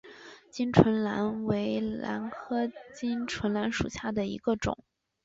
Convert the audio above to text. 巾唇兰为兰科巾唇兰属下的一个种。